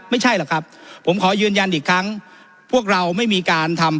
ไม่ใช่หรอกครับผมขอยืนยันอีกครั้งพวกเราไม่มีการทำ